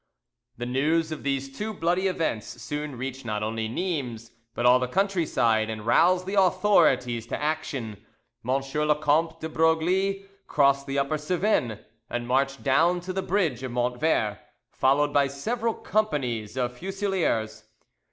The news of these two bloody events soon reached not only Nimes but all the countryside, and roused the authorities to action. M. le Comte de Broglie crossed the Upper Cevennes, and marched down to the bridge of Montvert, followed by several companies of fusiliers.